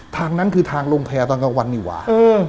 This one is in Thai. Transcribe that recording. ทางนั้นคือทางโรงแพทย์ตอนกลางวันอีกว่า